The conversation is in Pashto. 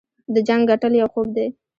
د جنګ ګټل یو خوب دی.